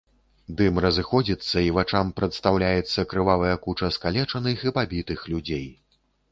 Дым разыходзіцца, і вачам прадстаўляецца крывавая куча скалечаных і пабітых людзей.